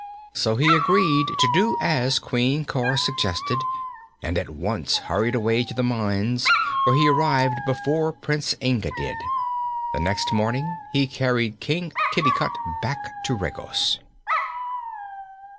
So he agreed to do as Queen Cor suggested and at once hurried away to the mines, where he arrived before Prince Inga did. The next morning he carried King Kitticut back to Regos.